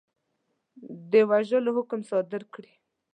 د وژلو حکم صادر کړي.